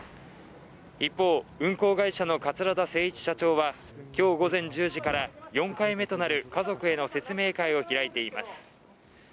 一方運航会社の桂田精一社長はきょう午前１０時から４回目となる家族への説明会を開いています